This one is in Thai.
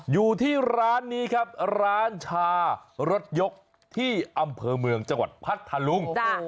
อยู่ที่ร้านนี้ครับร้านชารถยกที่อำเภอเมืองจังหวัดพัทธลุง